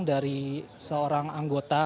dari seorang anggota